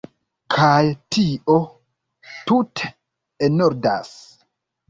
Kaj tio tute enordas.